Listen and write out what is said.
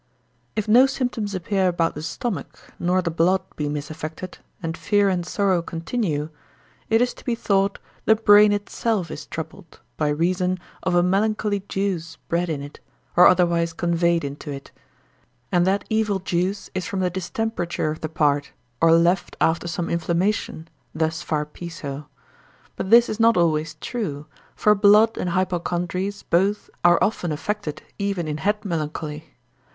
If no symptoms appear about the stomach, nor the blood be misaffected, and fear and sorrow continue, it is to be thought the brain itself is troubled, by reason of a melancholy juice bred in it, or otherwise conveyed into it, and that evil juice is from the distemperature of the part, or left after some inflammation, thus far Piso. But this is not always true, for blood and hypochondries both are often affected even in head melancholy.